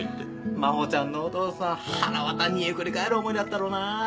真帆ちゃんのお父さんはらわた煮えくり返る思いだったろうな。